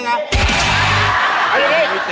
เอาอย่างนี้